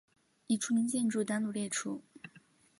已除名建筑单独列出。